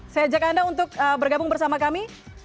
saya ajak anda untuk bergabung bersama kami